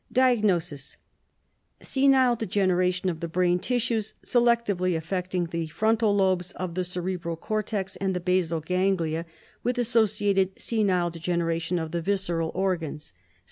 DIAGNOSIS: Senile degeneration of the brain tissues, selectively affecting the frontal lobes of the cerebral cortex and the basal ganglia, with associated senile degeneration of the visceral organs.